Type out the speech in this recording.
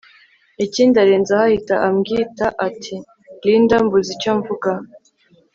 ikindi arenzaho ahita ambwita ati Linda mbuze icyo mvuga